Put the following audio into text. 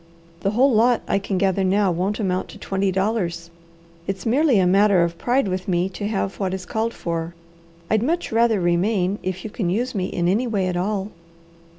The whole lot I can gather now won't amount to twenty dollars. It's merely a matter of pride with me to have what is called for. I'd much rather remain, if you can use me in any way at all."